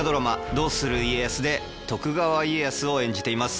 「どうする家康」で徳川家康を演じています